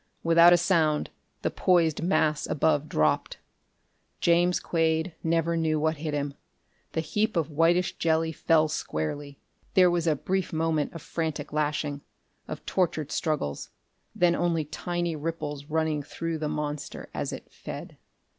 Without a sound, the poised mass above dropped. James Quade never knew what hit him. The heap of whitish jelly fell squarely. There was a brief moment of frantic lashing, of tortured struggles then only tiny ripples running through the monster as it fed.